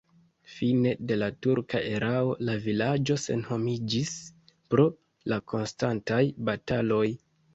Fine de la turka erao la vilaĝo senhomiĝis pro la konstantaj bataloj.